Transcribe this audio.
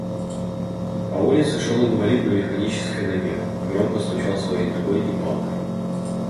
По улице шел инвалид на механической ноге и громко стучал своей ногой и палкой.